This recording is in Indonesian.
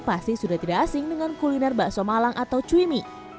pasti sudah tidak asing dengan kuliner bakso malang atau cuimi